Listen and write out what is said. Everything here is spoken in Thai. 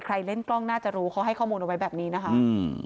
เล่นกล้องน่าจะรู้เขาให้ข้อมูลเอาไว้แบบนี้นะคะอืม